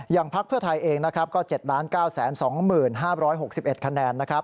อย่างพักเพื่อไทยเองก็๗๙๒๐๕๖๑คะแนน